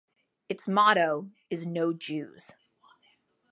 Its motto is No Jews.